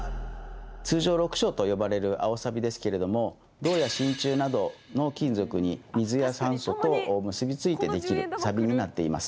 通称緑青と呼ばれる青サビですけれども銅や真鍮などの金属に水や酸素と結び付いてできるサビになっています。